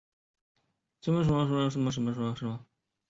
圆叶狸藻为狸藻属多年生小型岩生或附生食虫植物。